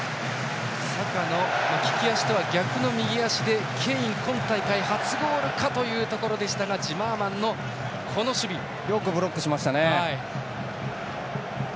サカの利き足とは逆の右足からケイン今大会初ゴールかというところでしたがよくブロックしましたね。